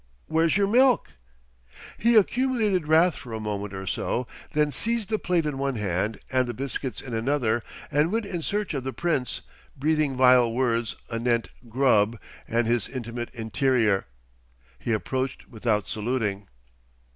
where's your milk?" He accumulated wrath for a moment or so, then seized the plate in one hand, and the biscuits in another, and went in search of the Prince, breathing vile words anent "grub" and his intimate interior. He approached without saluting.